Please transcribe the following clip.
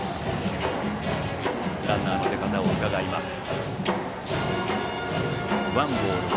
ランナーの出方を伺いました。